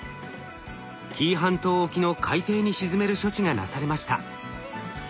紀伊半島沖の海底に沈める処置がなされました。